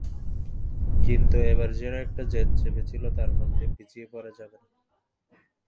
কিন্তু এবার যেন একটা জেদ চেপেছিল তাঁর মধ্যে, পিছিয়ে পড়া যাবে না।